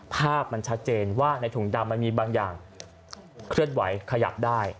ภาพมันชัดเจนว่าในถุงดำมันมีบางอย่างเคลื่อนไหวขยับได้